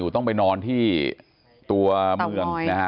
ต้องไปนอนที่ตัวเมืองนะฮะ